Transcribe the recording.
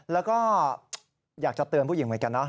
แล้วก็อยากจะเตือนผู้หญิงเหมือนกันนะ